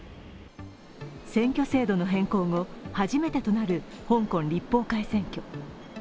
選挙制度の変更後、初めてとなる香港立法会選挙。